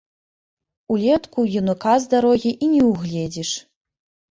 Улетку юнака з дарогі і не ўгледзіш.